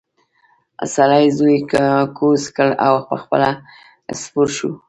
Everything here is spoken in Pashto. سړي زوی کوز کړ او پخپله سپور شو.